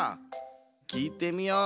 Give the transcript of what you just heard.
きいてみよう。